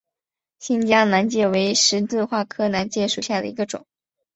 新疆南芥为十字花科南芥属下的一个种。